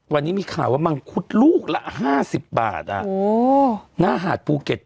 วันนี้มีข่าวว่ามังคุดลูกละห้าสิบบาทอ่ะโอ้โหหน้าหาดปูเก็ต